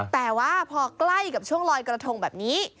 แต่ว่าพอใกล้กับช่วงลอยกระทงแบบนี้